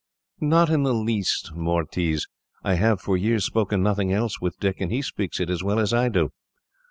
"Not in the least, Mortiz. I have, for years, spoken nothing else with Dick, and he speaks it as well as I do."